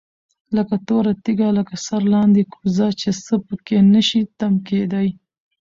لكه توره تيږه، لكه سرلاندي كوزه چي څه په كي نشي تم كېدى